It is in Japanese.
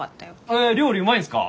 え料理うまいんっすか？